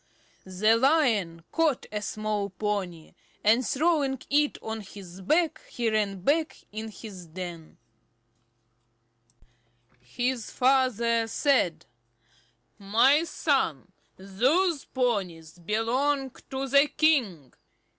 The Lion caught a small pony, and throwing it on his back, he ran back to his den. His father said: "My son, those ponies belong to the king.